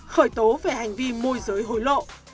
khởi tố về hành vi môi giới hồi lộ